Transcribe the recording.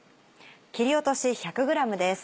切り落とし１００ｇです。